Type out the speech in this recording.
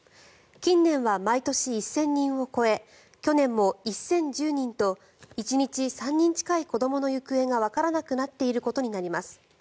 近年は毎年、１０００人を超え去年も１０１０人と１日３人近い子どもの行方がわからなくなっていることになります。